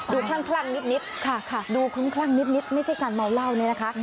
คลั่งนิดค่ะดูคุ้มคลั่งนิดไม่ใช่การเมาเหล้าเนี่ยนะคะ